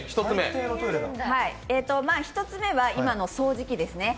１つ目は今の掃除機ですね。